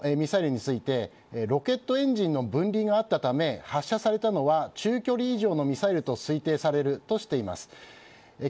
ニュースは１発目のミサイルについてロケットエンジンの分離があったため発射されたのは中距離以上のミサイルと推定されるということです。